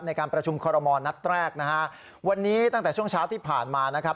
ในการประชุมคอรมอลนัดแรกนะฮะวันนี้ตั้งแต่ช่วงเช้าที่ผ่านมานะครับ